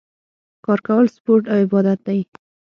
کار کول سپورټ او عبادت دی